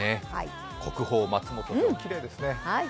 国宝・松本城きれいですね。